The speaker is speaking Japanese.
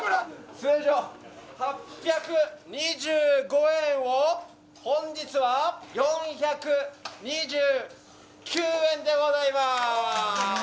通常８２５円を、本日は４２９円でございます。